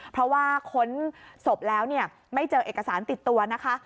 เพราะว่าค้นศพแล้วเนี่ยไม่เจอเอกสารติดตัวนะคะ